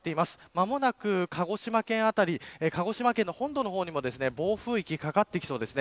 間もなく鹿児島県辺り鹿児島県の本土の方にも暴風域がかかってきそうです。